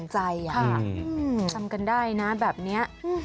ทำกันได้นะแบบนี้